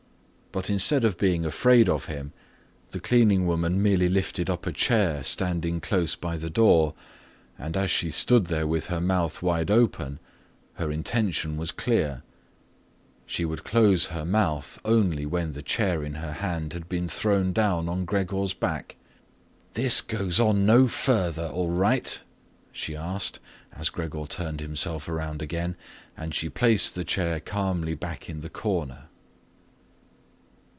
But instead of being afraid of him, the cleaning woman merely lifted up a chair standing close by the door and, as she stood there with her mouth wide open, her intention was clear: she would close her mouth only when the chair in her hand had been thrown down on Gregor's back. "This goes no further, all right?" she asked, as Gregor turned himself around again, and she placed the chair calmly back in the corner.